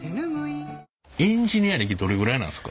エンジニア歴どれぐらいなんですか？